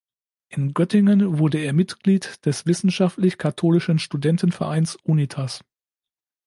In Göttingen wurde er Mitglied des Wissenschaftlich Katholischen Studentenvereins Unitas.